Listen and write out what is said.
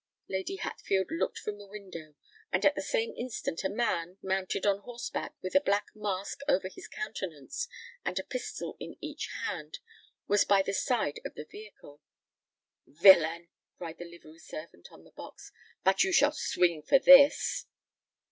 Lady Hatfield looked from the window; and at the same instant a man, mounted on horseback, with a black mask over his countenance, and a pistol in each hand, was by the side of the vehicle. "Villain!" cried the livery servant on the box. "But you shall swing for this!"